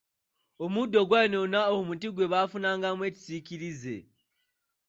Omuddo gwayonoona omuti gwe bafunangamu ekisiikirize.